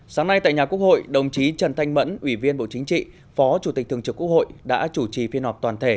sáng nay tại nhà quốc hội đồng chí trần thanh mẫn ủy viên bộ chính trị phó chủ tịch thường trực quốc hội đã chủ trì phiên họp toàn thể